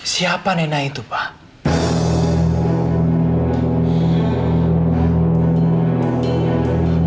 siapa nenek itu pak